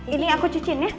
ini aku cucin ya